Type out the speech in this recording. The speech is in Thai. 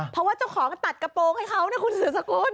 เพราะว่าเจ้าของก็ตัดกระโปรงให้เขานะคุณสืบสกุล